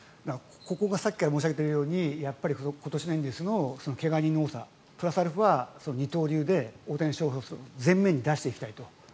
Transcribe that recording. ここがさっきから申し上げているように今年のエンゼルスの怪我人の多さプラスアルファ二刀流で大谷翔平を前面に出していきたいと。